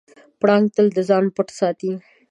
پړانګ تل د ځان پټ ساتي.